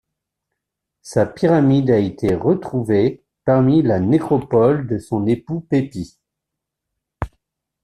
Sa pyramide a été retrouvée parmi la nécropole de son époux Pépi.